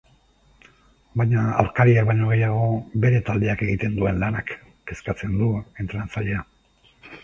Baina aurkariak baino gehiago bere taldeak egiten duen lanak kezkatzen du entrenatzailea.